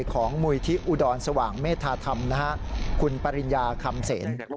ของมูลที่อุดรสว่างเมธาธรรมคุณปริญญาคำเสน